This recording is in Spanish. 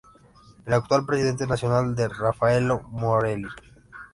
El actual presidente nacional es Raffaello Morelli.